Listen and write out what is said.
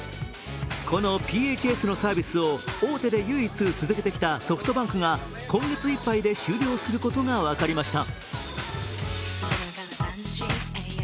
このＰＨＳのサービスを大手で唯一続けてきたソフトバンクが今月いっぱいで終了することが分かりました。